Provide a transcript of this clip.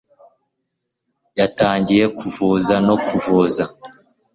yatangiye kuvuza no kuvuza